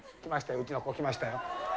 うちの子来ましたよ。